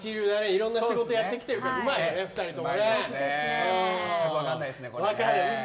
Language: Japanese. いろんな仕事やってきてるからうまいよね、２人ともね。分からないですね、これは。